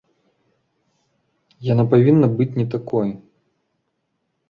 Яна павінна быць не такой.